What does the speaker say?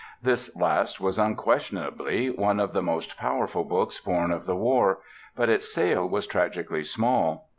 This last was unquestionably one of the most powerful books born of the War, but its sale was tragically small.